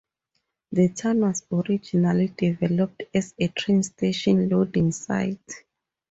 The town was originally developed as a train station loading site.